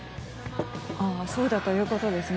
そうだということですね。